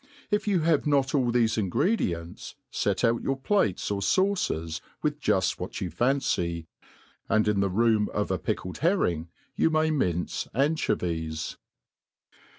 If you have not all thefe ingredients, fet out your plates or faucers with juft what you fancy, and in the room of a pickled herring you may mince anchoyies.